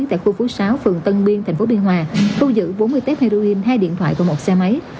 tại khu phố sáu phường tân biên thành phố biên hòa thu giữ bốn mươi tép heroin hai điện thoại và một xe máy